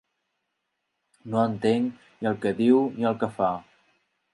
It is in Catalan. No entenc ni el que diu ni el que fa.